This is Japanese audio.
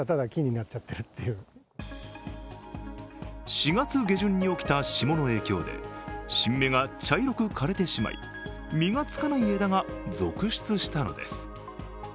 ４月下旬に起きた霜の影響で新芽が茶色く枯れてしまい実がつかない枝が続出したのです。